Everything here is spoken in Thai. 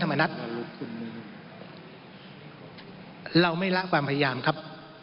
มณัฐเราไม่ละความพยายามครับ